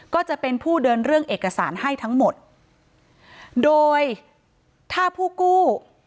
ก็จะเป็นผู้เดินเรื่องเอกสารให้ทั้งหมดโดยถ้าผู้กู้